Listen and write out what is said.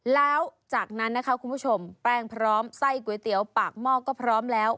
แล้วจากนั้นนะคะคุณผู้ชมแป้งพร้อมไส้ก๋วยเตี๋ยวปากหม้อก็พร้อมแล้ว